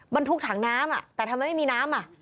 บรรทุกถังน้ำแต่ทำไมไม่มีน้ำ